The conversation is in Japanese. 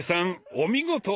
お見事！